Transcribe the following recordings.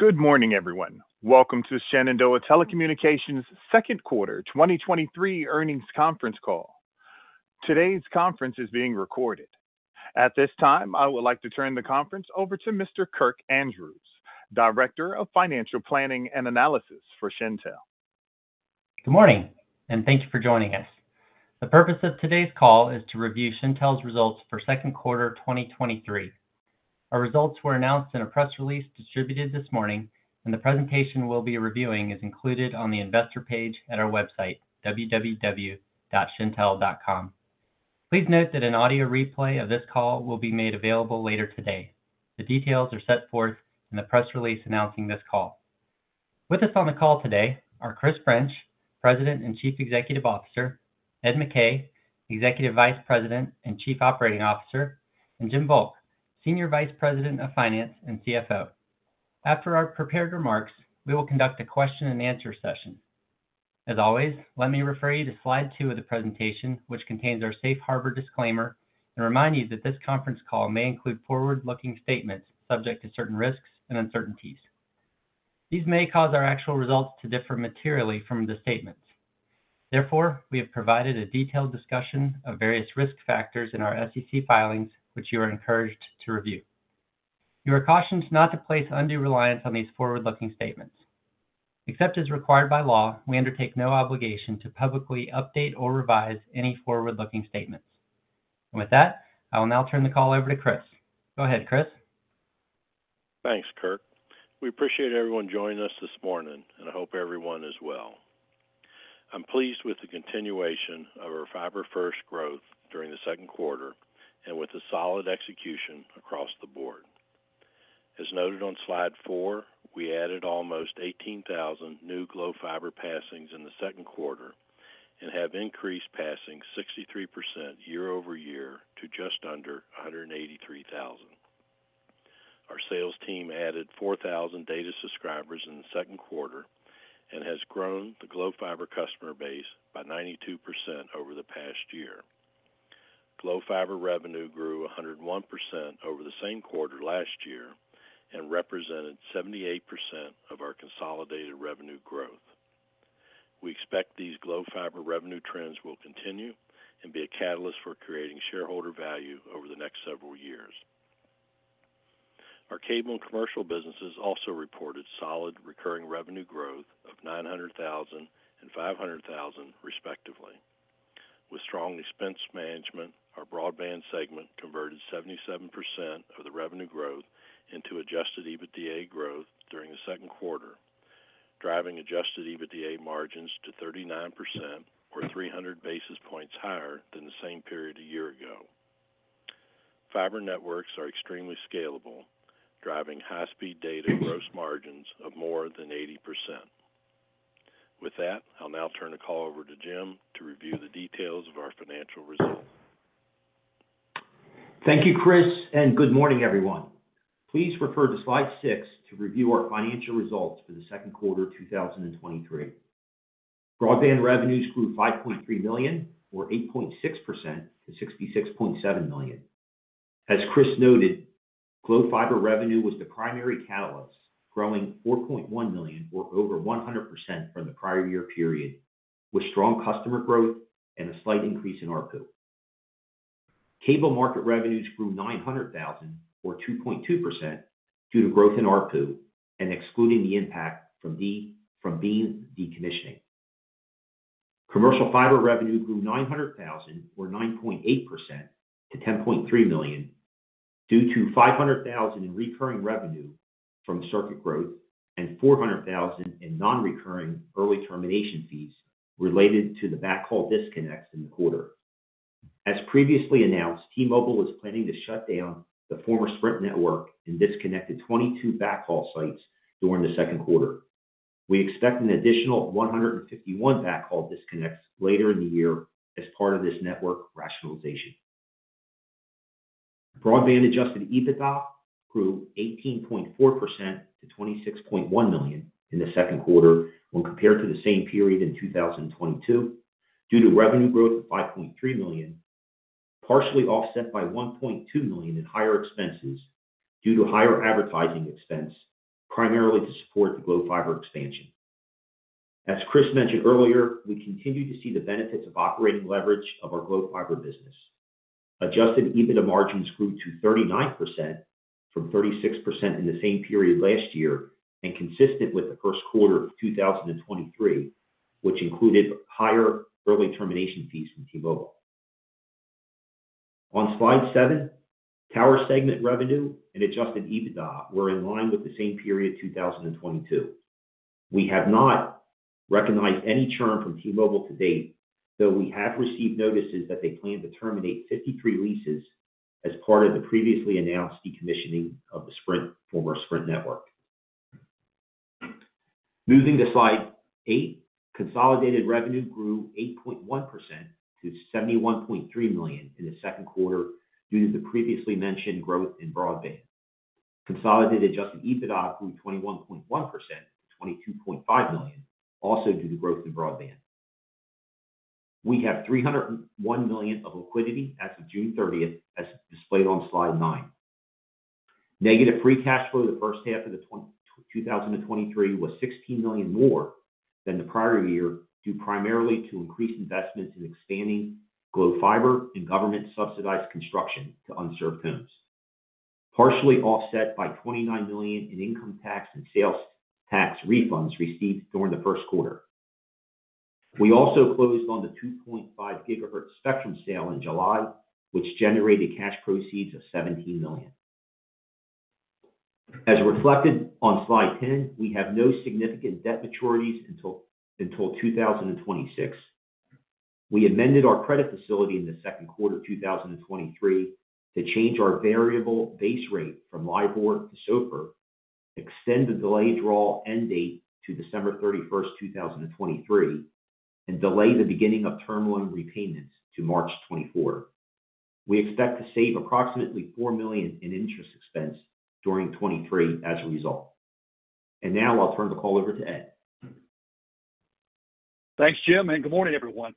Good morning, everyone. Welcome to Shenandoah Telecommunications second quarter 2023 earnings conference call. Today's conference is being recorded. At this time, I would like to turn the conference over to Mr. Kirk Andrews, Director of Financial Planning and Analysis for Shentel. Good morning, thank you for joining us. The purpose of today's call is to review Shentel's results for second quarter 2023. Our results were announced in a press release distributed this morning, the presentation we'll be reviewing is included on the investor page at our website, www.shentel.com. Please note that an audio replay of this call will be made available later today. The details are set forth in the press release announcing this call. With us on the call today are Chris French, President and Chief Executive Officer, Ed McKay, Executive Vice President and Chief Operating Officer, and Jim Volk, Senior Vice President of Finance and CFO. After our prepared remarks, we will conduct a question-and-answer session. As always, let me refer you to slide two of the presentation, which contains our safe harbor disclaimer, and remind you that this conference call may include forward-looking statements subject to certain risks and uncertainties. These may cause our actual results to differ materially from the statements. Therefore, we have provided a detailed discussion of various risk factors in our SEC filings, which you are encouraged to review. You are cautioned not to place undue reliance on these forward-looking statements. Except as required by law, we undertake no obligation to publicly update or revise any forward-looking statements. With that, I will now turn the call over to Chris. Go ahead, Chris. Thanks, Kirk. We appreciate everyone joining us this morning, and I hope everyone is well. I'm pleased with the continuation of our fiber-first growth during the second quarter and with the solid execution across the board. As noted on slide four, we added almost 18,000 new Glo Fiber passings in the second quarter and have increased passing 63% year-over-year to just under 183,000. Our sales team added 4,000 data subscribers in the second quarter and has grown the Glo Fiber customer base by 92% over the past year. Glo Fiber Revenue grew 101% over the same quarter last year and represented 78% of our consolidated revenue growth. We expect these Glo Fiber Revenue trends will continue and be a catalyst for creating shareholder value over the next several years. Our cable and commercial businesses also reported solid recurring revenue growth of $900,000 and $500,000, respectively. With strong expense management, our broadband segment converted 77% of the revenue growth into Adjusted EBITDA growth during the second quarter, driving Adjusted EBITDA margins to 39% or 300 basis points higher than the same period a year ago. Fiber networks are extremely scalable, driving high-speed data gross margins of more than 80%. With that, I'll now turn the call over to Jim to review the details of our financial results. Thank you, Chris, and good morning, everyone. Please refer to slide six to review our financial results for the second quarter of 2023. Broadband revenues grew $5.3 million, or 8.6%, to $66.7 million. As Chris noted, Glo Fiber Revenue was the primary catalyst, growing $4.1 million or over 100% from the prior year period, with strong customer growth and a slight increase in ARPU. Cable market revenues grew $900,000 or 2.2% due to growth in ARPU and excluding the impact from Beam decommissioning. Commercial fiber revenue grew $900,000 or 9.8% to $10.3 million, due to $500,000 in recurring revenue from circuit growth and $400,000 in non-recurring early termination fees related to the backhaul disconnects in the quarter. As previously announced, T-Mobile is planning to shut down the former Sprint network and disconnected 22 backhaul sites during the second quarter. We expect an additional 151 backhaul disconnects later in the year as part of this network rationalization. Broadband Adjusted EBITDA grew 18.4% to $26.1 million in the second quarter when compared to the same period in 2022, due to revenue growth of $5.3 million, partially offset by $1.2 million in higher expenses due to higher advertising expense, primarily to support the Glo Fiber expansion. As Chris mentioned earlier, we continue to see the benefits of operating leverage of our Glo Fiber business. Adjusted EBITDA margins grew to 39% from 36% in the same period last year and consistent with the first quarter of 2023, which included higher early termination fees from T-Mobile. On slide seven, tower segment revenue and adjusted EBITDA were in line with the same period, 2022. We have not recognized any term from T-Mobile to date, though we have received notices that they plan to terminate 53 leases as part of the previously announced decommissioning of the Sprint, former Sprint network. Moving to slide eight, consolidated revenue grew 8.1% to $71.3 million in the second quarter due to the previously mentioned growth in broadband. Consolidated adjusted EBITDA grew 21.1% to $22.5 million, also due to growth in broadband. We have $301 million of liquidity as of June 30th, as displayed on slide nine. Negative free cash flow the first half of 2023 was $16 million more than the prior year, due primarily to increased investments in expanding Glo Fiber and Government Subsidized Construction to unserved homes. Partially offset by $29 million in income tax and sales tax refunds received during the first quarter. We also closed on the 2.5 GHz spectrum sale in July, which generated cash proceeds of $17 million. As reflected on slide 10, we have no significant debt maturities until 2026. We amended our credit facility in the second quarter of 2023 to change our variable base rate from LIBOR to SOFR, extend the delayed draw end date to December 31, 2023, and delay the beginning of term loan repayments to March 2024. We expect to save approximately $4 million in interest expense during 2023 as a result. Now I'll turn the call over to Ed. Thanks, Jim. Good morning, everyone.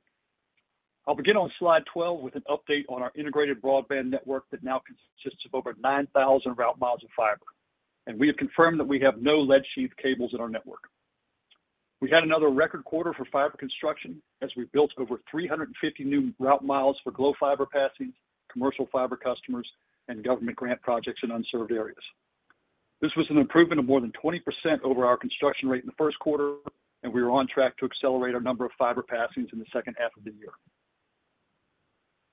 I'll begin on slide 12 with an update on our integrated broadband network that now consists of over 9,000 route miles of fiber. We have confirmed that we have no lead sheath cables in our network. We had another record quarter for fiber construction as we built over 350 new route miles for Glo Fiber passings, commercial fiber customers, and government grant projects in unserved areas. This was an improvement of more than 20% over our construction rate in the first quarter. We are on track to accelerate our number of fiber passings in the second half of the year.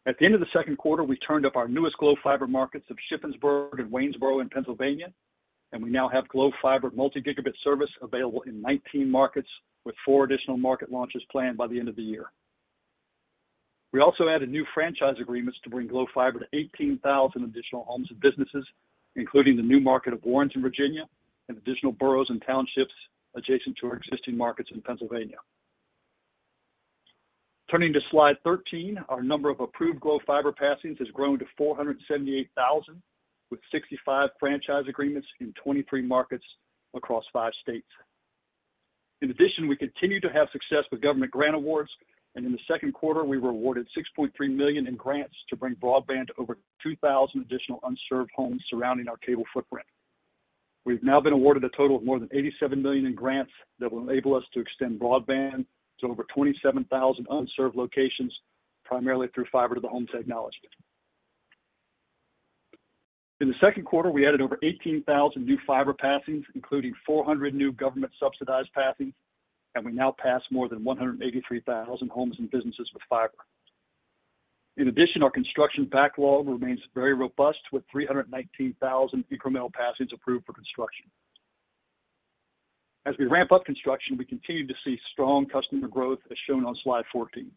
At the end of the second quarter, we turned up our newest Glo Fiber Markets of Shippensburg and Waynesboro in Pennsylvania. We now have Glo Fiber multi-gigabit service available in 19 markets, with four additional market launches planned by the end of the year. We also added new franchise agreements to bring Glo Fiber to 18,000 additional homes and businesses, including the new market of Warren in Virginia and additional boroughs and townships adjacent to our existing markets in Pennsylvania. Turning to slide 13, our number of approved Glo Fiber passings has grown to 478,000, with 65 franchise agreements in 23 markets across 5 states. In addition, we continue to have success with government grant awards. In the second quarter, we were awarded $6.3 million in grants to bring broadband to over 2,000 additional unserved homes surrounding our cable footprint. We've now been awarded a total of more than $87 million in grants that will enable us to extend broadband to over 27,000 unserved locations, primarily through fiber to the home technology. In the second quarter, we added over 18,000 new fiber passings, including 400 new government subsidized passings, and we now pass more than 183,000 homes and businesses with fiber. In addition, our construction backlog remains very robust, with 319,000 incremental passings approved for construction. As we ramp up construction, we continue to see strong customer growth, as shown on slide 14.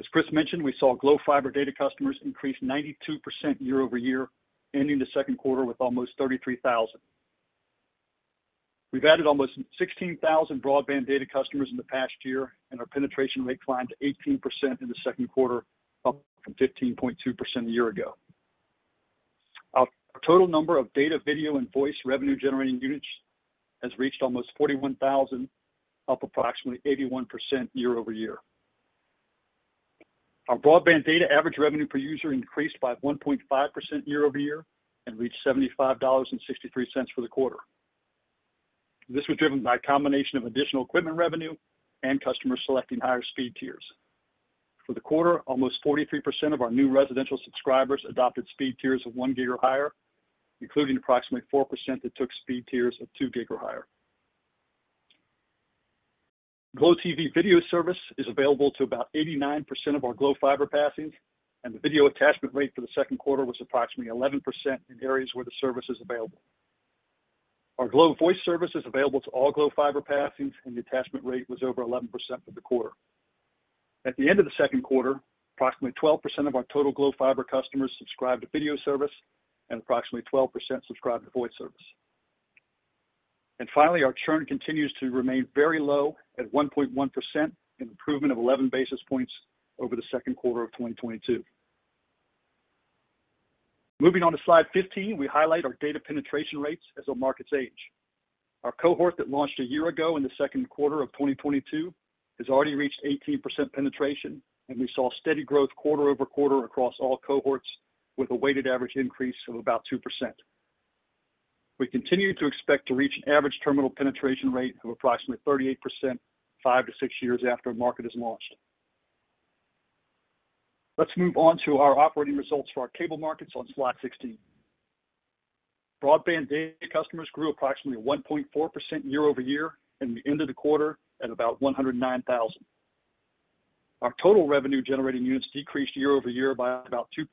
As Chris mentioned, we saw Glo Fiber data customers increase 92% year-over-year, ending the second quarter with almost 33,000. We've added almost 16,000 broadband data customers in the past year, and our penetration rate climbed to 18% in the second quarter, up from 15.2% a year ago. Our total number of data, video, and voice revenue generating units has reached almost 41,000, up approximately 81% year-over-year. Our broadband data average revenue per user increased by 1.5% year-over-year and reached $75.63 for the quarter. This was driven by a combination of additional equipment revenue and customers selecting higher speed tiers. For the quarter, almost 43% of our new residential subscribers adopted speed tiers of 1 gig or higher, including approximately 4% that took speed tiers of two gig or higher. Glo TV video service is available to about 89% of our Glo Fiber passings, and the video attachment rate for the second quarter was approximately 11% in areas where the service is available. Our Glo Voice service is available to all Glo Fiber passings, and the attachment rate was over 11% for the quarter. At the end of the second quarter, approximately 12% of our total Glo Fiber customers subscribed to video service and approximately 12% subscribed to voice service. Finally, our churn continues to remain very low at 1.1%, an improvement of 11 basis points over the second quarter of 2022. Moving on to slide 15, we highlight our data penetration rates as our markets age. Our cohort that launched a year ago in the second quarter of 2022, has already reached 18% penetration. We saw steady growth quarter-over-quarter across all cohorts with a weighted average increase of about 2%. We continue to expect to reach an average terminal penetration rate of approximately 38%, five-six years after a market is launched. Let's move on to our operating results for our cable markets on slide 16. Broadband data customers grew approximately 1.4% year-over-year and ended the quarter at about 109,000. Our total revenue generating units decreased year-over-year by about 2%,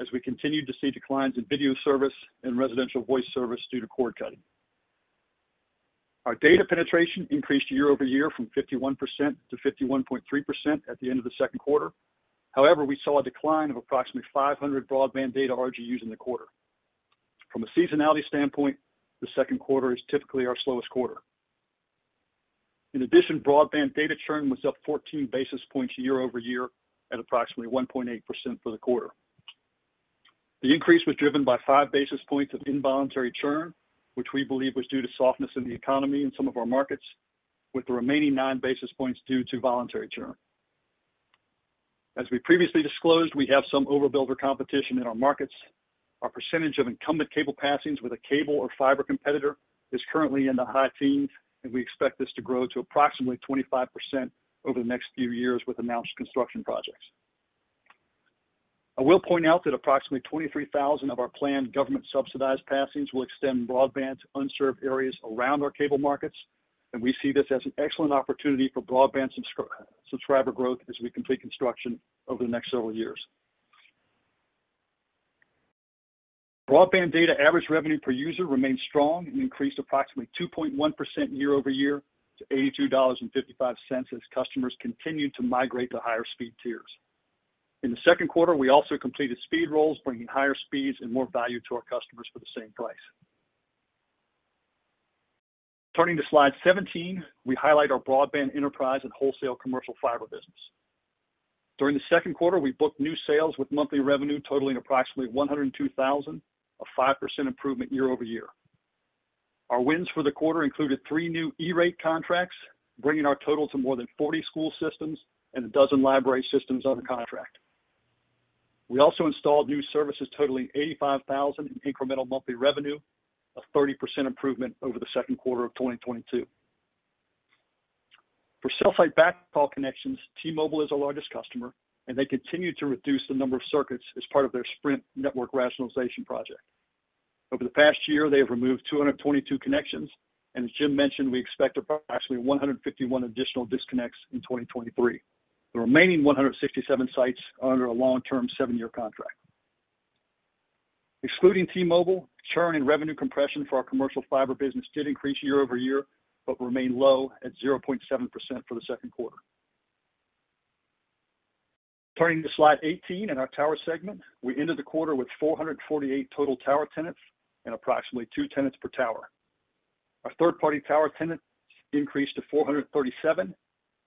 as we continued to see declines in video service and residential voice service due to cord cutting. Our data penetration increased year-over-year from 51% - 51.3% at the end of the second quarter. However, we saw a decline of approximately 500 broadband data RGUs in the quarter. From a seasonality standpoint, the second quarter is typically our slowest quarter. In addition, broadband data churn was up 14 basis points year-over-year at approximately 1.8% for the quarter. The increase was driven by five basis points of involuntary churn, which we believe was due to softness in the economy in some of our markets, with the remaining 9 basis points due to voluntary churn. As we previously disclosed, we have some overbuilder competition in our markets. Our percentage of incumbent cable passings with a cable or fiber competitor is currently in the high teens. We expect this to grow to approximately 25% over the next few years with announced construction projects. I will point out that approximately 23,000 of our planned government subsidized passings will extend broadband to unserved areas around our cable markets. We see this as an excellent opportunity for broadband subscriber growth as we complete construction over the next several years. Broadband data average revenue per user remained strong and increased approximately 2.1% year-over-year to $82.55, as customers continued to migrate to higher speed tiers. In the second quarter, we also completed speed rolls, bringing higher speeds and more value to our customers for the same price. Turning to slide 17, we highlight our broadband enterprise and wholesale commercial fiber business. During the second quarter, we booked new sales with monthly revenue totaling approximately $102,000, a 5% improvement year-over-year. Our wins for the quarter included three new E-Rate contracts, bringing our total to more than 40 school systems and 12 library systems under contract. We also installed new services totaling $85,000 in incremental monthly revenue, a 30% improvement over the second quarter of 2022. For cell site backhaul connections, T-Mobile is our largest customer, and they continue to reduce the number of circuits as part of their Sprint network rationalization project. Over the past year, they have removed 222 connections, and as Jim mentioned, we expect approximately 151 additional disconnects in 2023. The remaining 167 sites are under a long-term seven-year contract. Excluding T-Mobile, churn and revenue compression for our commercial fiber business did increase year over year, but remained low at 0.7% for the second quarter. Turning to slide 18 in our tower segment, we ended the quarter with 448 total tower tenants and approximately two tenants per tower. Our third-party tower tenants increased to 437.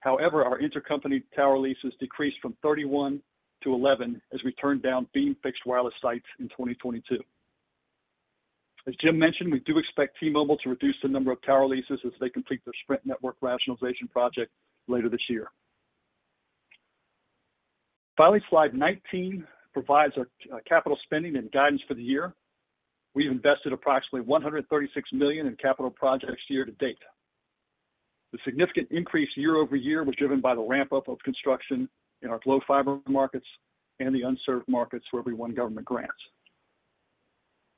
Our intercompany tower leases decreased from 31 - 11 as we turned down Beam fixed wireless sites in 2022. As Jim mentioned, we do expect T-Mobile to reduce the number of tower leases as they complete their Sprint network rationalization project later this year. Slide 19 provides our capital spending and guidance for the year. We've invested approximately $136 million in capital projects year to date. The significant increase year-over-year was driven by the ramp-up of construction in our Glo Fiber markets and the unserved markets where we won government grants.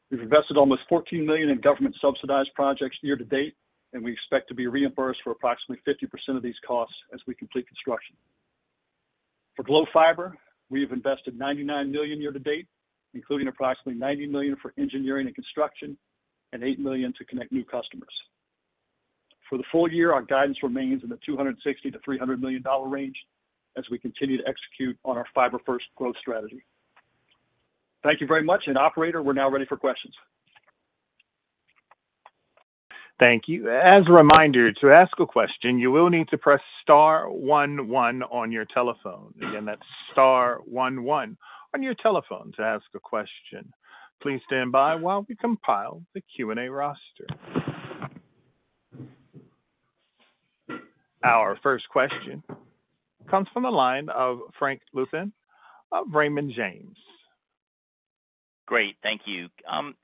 We've invested almost $14 million in government subsidized projects year to date, and we expect to be reimbursed for approximately 50% of these costs as we complete construction. For Glo Fiber, we have invested $99 million year to date, including approximately $90 million for engineering and construction and $8 million to connect new customers. For the full year, our guidance remains in the $260 million-$300 million range as we continue to execute on our fiber-first growth strategy. Thank you very much, and operator, we're now ready for questions. Thank you. As a reminder, to ask a question, you will need to press star one, one on your telephone. Again, that's star one, one on your telephone to ask a question. Please stand by while we compile the Q&A roster. Our first question comes from the line of Frank Louthan of Raymond James. Great, thank you.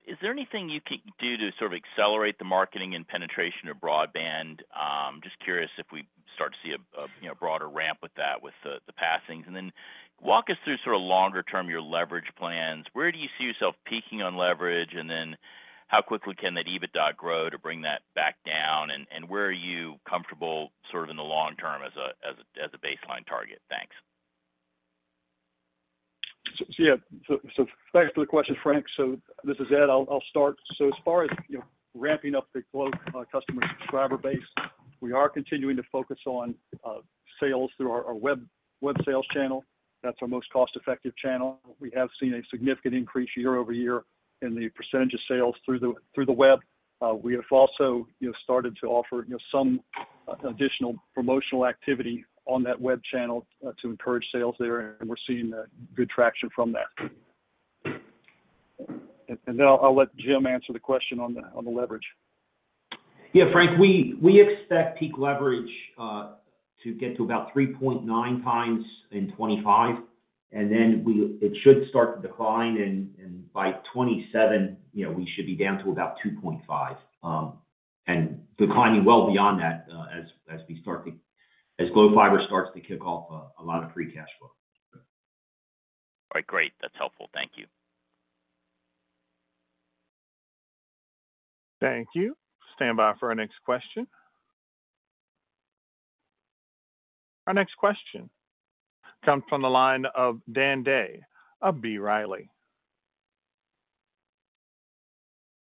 Is there anything you can do to sort of accelerate the marketing and penetration of broadband? Just curious if we start to see a, you know, broader ramp with that, with the passings. Walk us through sort of longer term, your leverage plans. Where do you see yourself peaking on leverage? How quickly can that EBITDA grow to bring that back down? Where are you comfortable, sort of in the long term as a baseline target? Thanks. Yeah. Thanks for the question, Frank. This is Ed. I'll start. As far as, you know, ramping up the Glo customer subscriber base, we are continuing to focus on sales through our web sales channel. That's our most cost-effective channel. We have seen a significant increase year-over-year in the percentage of sales through the web. We have also, you know, started to offer, you know, some additional promotional activity on that web channel to encourage sales there, and we're seeing good traction from that. Then I'll let Jim answer the question on the leverage. Yeah, Frank, we, we expect peak leverage to get to about 3.9 times in 2025. Then it should start to decline, and by 2027, you know, we should be down to about 2.5 and declining well beyond that, as Glo Fiber starts to kick off a lot of free cash flow. All right, great. That's helpful. Thank you. Thank you. Stand by for our next question. Our next question comes from the line of Dan Day of B. Riley.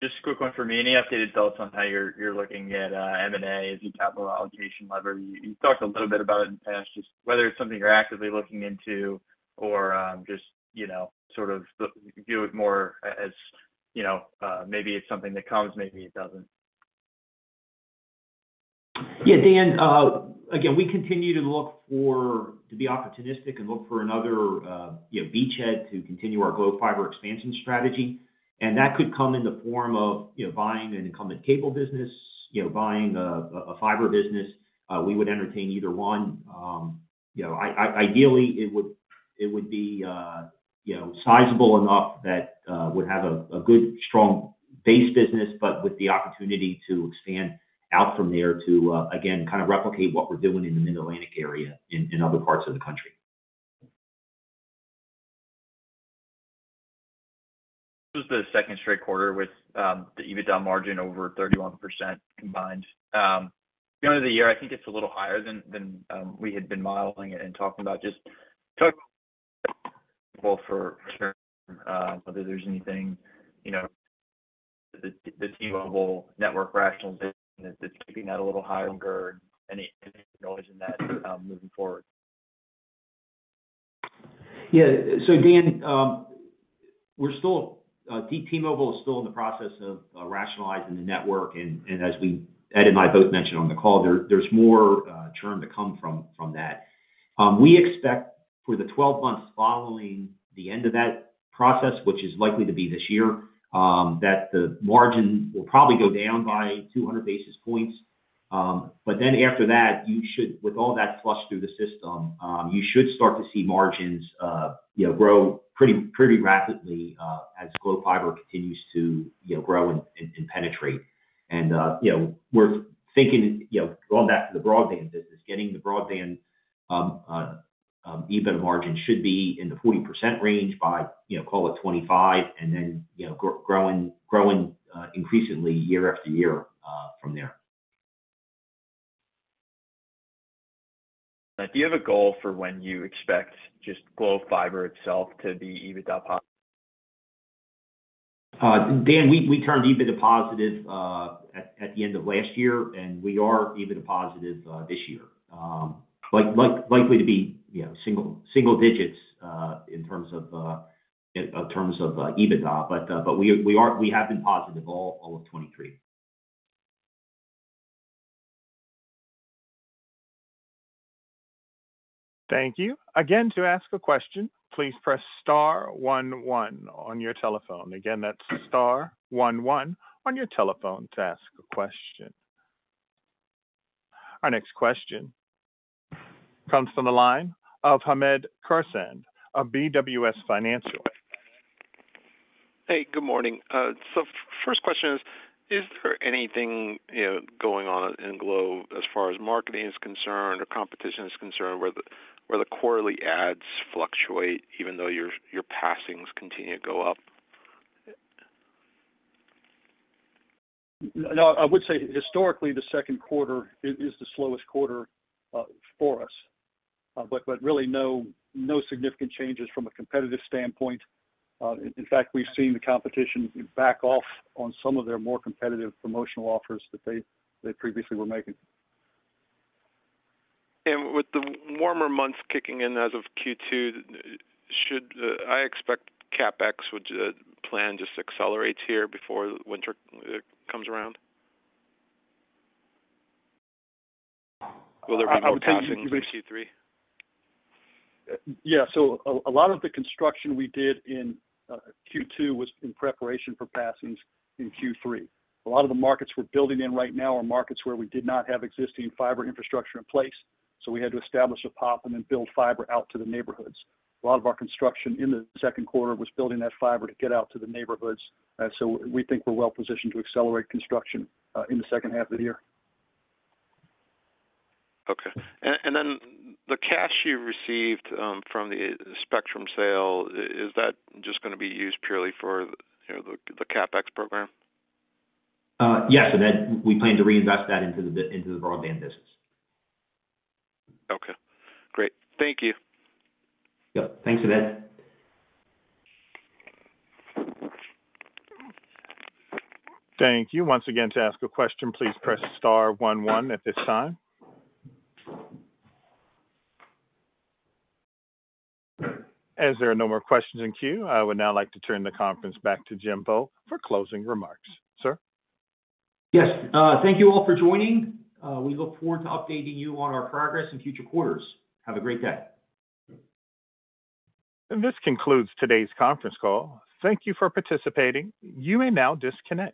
Just a quick one for me. Any updated thoughts on how you're, you're looking at, M&A as you capital allocation lever? You, you talked a little bit about it in the past. Just whether it's something you're actively looking into or, just, you know, sort of view it more as, you know, maybe it's something that comes, maybe it doesn't. Yeah, Dan, again, we continue to look for, to be opportunistic and look for another, you know, beachhead to continue our Glo Fiber expansion strategy. That could come in the form of, you know, buying an incumbent cable business, you know, buying a, a fiber business. We would entertain either one. You know, ideally, it would, it would be, you know, sizable enough that, would have a, a good, strong base business, but with the opportunity to expand out from there to, again, kind of replicate what we're doing in the Mid-Atlantic area in, in other parts of the country. This is the second straight quarter with the EBITDA margin over 31% combined. At the end of the year, I think it's a little higher than, than, we had been modeling it and talking about just both for return, whether there's anything, you know, the T-Mobile network rationalization that's keeping that a little higher than you're guiding. Any, any knowledge in that moving forward? Yeah. Dan, we're still T-Mobile is still in the process of rationalizing the network. As we, Ed and I both mentioned on the call, there's more churn to come from that. We expect for the 12 months following the end of that process, which is likely to be this year, that the margin will probably go down by 200 basis points. Then after that, with all that flush through the system, you should start to see margins, you know, grow pretty, pretty rapidly as Glo Fiber continues to, you know, grow and penetrate. You know, we're thinking, you know, going back to the broadband business, getting the broadband EBITDA margin should be in the 40% range by, you know, call it 25, and then, you know, growing, growing increasingly year after year from there. Do you have a goal for when you expect just Glo Fiber itself to be EBITDA positive? Dan, we, we turned EBITDA positive at, at the end of last year, and we are EBITDA positive this year. Like, like, likely to be, you know, single, single digits in terms of, in terms of, EBITDA. We, we are, we have been positive all, all of 2023. Thank you. Again, to ask a question, please press star one one on your telephone. Again, that's star one one on your telephone to ask a question. Our next question comes from the line of Hamed Khorsand of BWS Financial. Hey, good morning. So first question is, is there anything, you know, going on in Glo Fiber as far as marketing is concerned or competition is concerned, where the, where the quarterly ads fluctuate even though your, your passings continue to go up? No, I would say historically, the second quarter is the slowest quarter for us. Really no, no significant changes from a competitive standpoint. In fact, we've seen the competition back off on some of their more competitive promotional offers that they previously were making. With the warmer months kicking in as of Q2, should... I expect CapEx, which plan just accelerates here before winter comes around. Will there be any passings in Q3? Yeah. A lot of the construction we did in Q2 was in preparation for passings in Q3. A lot of the markets we're building in right now are markets where we did not have existing fiber infrastructure in place, so we had to establish a POP and then build fiber out to the neighborhoods. A lot of our construction in the second quarter was building that fiber to get out to the neighborhoods. We think we're well positioned to accelerate construction in the second half of the year. Okay. Then the cash you received from the spectrum sale, is that just gonna be used purely for, you know, the CapEx program? yes, and then we plan to reinvest that into the into the broadband business. Okay, great. Thank you. Yeah. Thanks, Hamed. Thank you. Once again, to ask a question, please press star one one at this time. As there are no more questions in queue, I would now like to turn the conference back to Jim Volk for closing remarks. Sir? Yes, thank you all for joining. We look forward to updating you on our progress in future quarters. Have a great day. This concludes today's conference call. Thank you for participating. You may now disconnect.